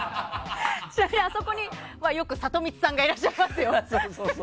あそこにはよくサトミツさんがいらっしゃいます。